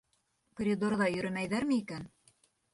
Коридорҙа йөрөмәйҙәрме икән?